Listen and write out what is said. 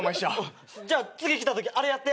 じゃあ次来たときあれやって。